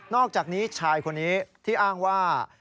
อกจากนี้ชายคนนี้ที่อ้างว่า